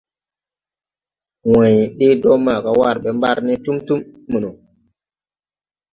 Way ɗee do maaga war ɓɛ mbar ne tum tum mono.